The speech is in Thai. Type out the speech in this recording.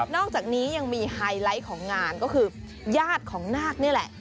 อกจากนี้ยังมีไฮไลท์ของงานก็คือญาติของนาคนี่แหละ